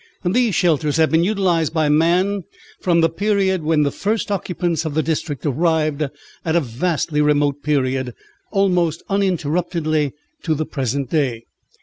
And these shelters have been utilised by man from the period when the first occupants of the district arrived at a vastly remote period, almost uninterruptedly to the present day.